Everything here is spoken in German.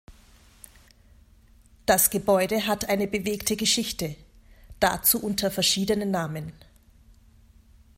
Das Gebäude hat eine bewegte Geschichte, dazu unter verschiedenen Namen.